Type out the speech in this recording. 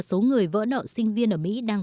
số người vỡ nợ sinh viên ở mỹ đang